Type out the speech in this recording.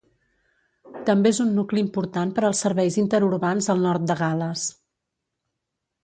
També és un nucli important per als serveis interurbans al nord de Gales.